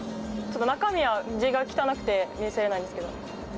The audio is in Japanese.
中身は字が汚くて見せれないんですけど。